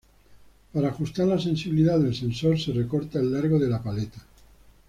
Para ajustar la sensibilidad del sensor se recorta el largo de la paleta.